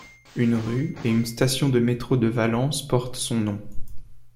Une rue et une station de métro de Valence portent son nom.